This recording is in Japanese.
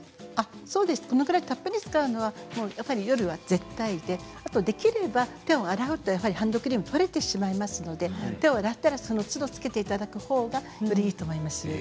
これぐらいたっぷり使うのは夜は絶対でできれば手を洗うとハンドクリームが取れてしまいますので、手を洗ったらそのつどつけていただくほうがいいと思います。